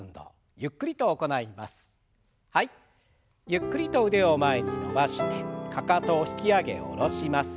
ゆっくりと腕を前に伸ばしてかかとを引き上げ下ろします。